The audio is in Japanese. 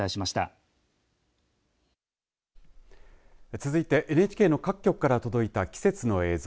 続いてＮＨＫの各局から届いた季節の映像